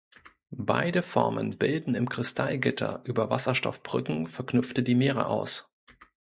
Beide Formen bilden im Kristallgitter über Wasserstoffbrücken verknüpfte Dimere aus.